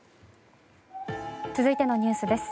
続いてのニュースです。